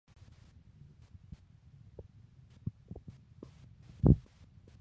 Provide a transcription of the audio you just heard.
Eso le comenzó a unirse a concursos de canto de toda la escuela.